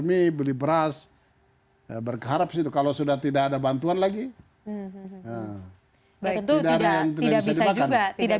ini beli beras berharap itu kalau sudah tidak ada bantuan lagi baik itu tidak bisa juga tidak